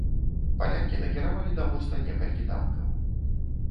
Палякі накіравалі да моста некалькі танкаў.